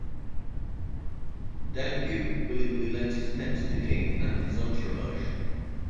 Dangeau willingly lent his pen to the king and his entourage.